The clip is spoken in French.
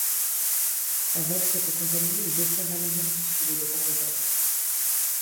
Avec cette compagnie, il dessert l’Amérique du Sud au départ de Bordeaux.